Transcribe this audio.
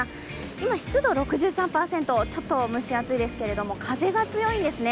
今湿度６３％、ちょっと蒸し暑いですけれども風が強いですね